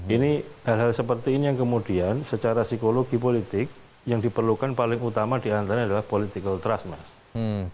ini hal hal seperti ini yang kemudian secara psikologi politik yang diperlukan paling utama diantaranya adalah political trust mas